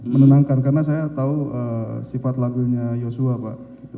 menenangkan karena saya tahu sifat lagunya yosua pak